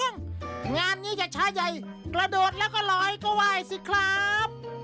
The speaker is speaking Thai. งานนี้อย่าช้าใหญ่กระโดดแล้วก็ลอยก็ไหว้สิครับ